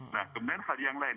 nah kemudian hal yang lain